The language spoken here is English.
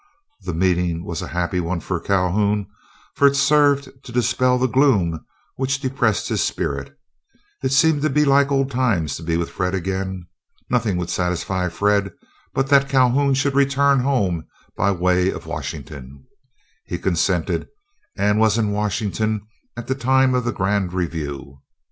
The meeting was a happy one for Calhoun, for it served to dispel the gloom which depressed his spirits. It seemed to be like old times to be with Fred again. Nothing would satisfy Fred, but that Calhoun should return home by the way of Washington. He consented, and was in Washington at the time of the Grand Review.